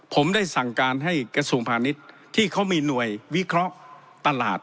ผมได้สั่งการให้กสมภัณฑ์นิสที่เขามีหน่วยวิเคราะห์ตลาด